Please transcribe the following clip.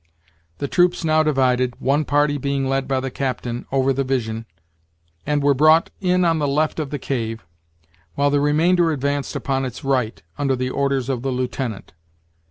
The troops now divided, one party being led by the captain, over the Vision, and were brought in on the left of the cave, while the remainder advanced upon its right, under the orders of the lieutenant.